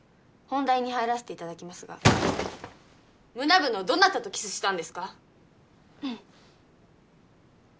本題に入らせていただきますがムダ部のどなたとキスしたんですか？